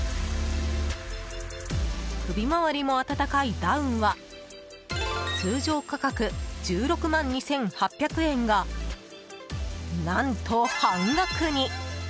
首回りも暖かいダウンは通常価格１６万２８００円が何と、半額に。